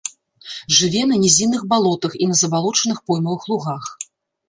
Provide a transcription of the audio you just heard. Жыве на нізінных балотах і на забалочаных поймавых лугах.